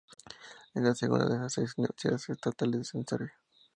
Es la segunda de las seis universidades estatales en Serbia.